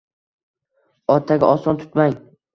Otaga oson tutmang.